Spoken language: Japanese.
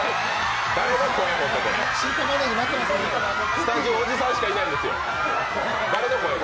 スタジオ、おじさんしかいないですよ。